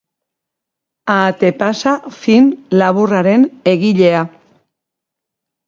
Ahate pasa film laburraren egilea.